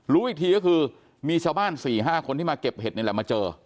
รู้อีกทีก็คือมีชาวบ้าน๔๕คนที่มาเก็บเห็ดนี่แหละมาเจอ